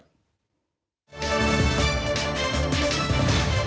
พักรวมพลังประชาชนชาติไทย